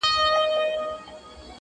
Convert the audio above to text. خو هغې دغه ډالۍ.